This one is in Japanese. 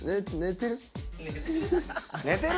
寝てる。